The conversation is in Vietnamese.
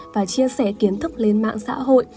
và chia sẻ kiến thức lên mạng xã hội